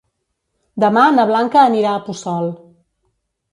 Demà na Blanca anirà a Puçol.